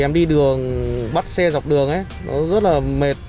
em bắt chạy đường rất là mệt